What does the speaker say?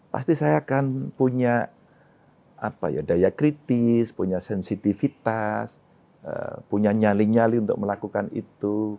pasti saya akan punya daya kritis punya sensitivitas punya nyali nyali untuk melakukan itu